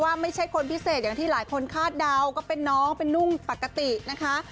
ไม่ใช่คนพิเศษอย่างที่หลายคนคาดเดาก็เป็นน้องเป็นนุ่งปกตินะคะ